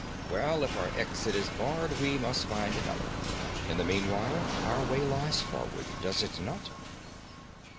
'Well, if our exit is barred, we must find another. In the meanwhile our way lies forward, does it not?'